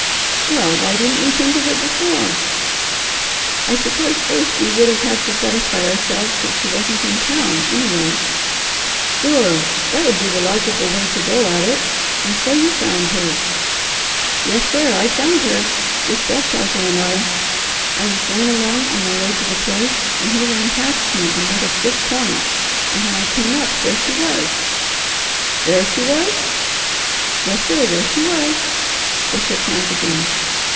"Well why didn't we think of it before?" "I suppose first we would have had to satisfy ourselves that she wasn't in town, anyway." "Sure! That would be the logical way to go at it! And so you found her?" "Yes sir, I found her! Just Belshazzar and I! I was going along on my way to the place, and he ran past me and made a stiff point, and when I came up, there she was!" "There she was?" "Yes sir; there she was!" They shook hands again.